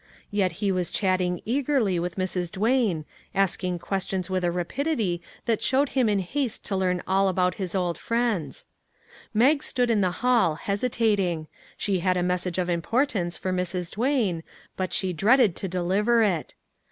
Yet he was chatting eagerly 346 "THAT LITTLE MAG JESSUP" with Mrs. Duane, asking questions with a ra pidity that showed him in haste to learn all about his old friends. Mag stood in the hall, hesitating; she had a message of importance for Mrs. Duane, but she dreaded to deliver it.